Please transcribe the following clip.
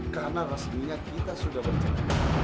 karena rasminya kita sudah bercerita